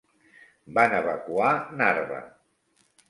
Van evacuar Narva.